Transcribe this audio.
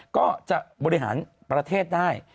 ก็จะบริหารประเทศได้